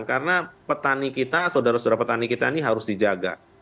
karena petani saudara saudara petani kita harus dijaga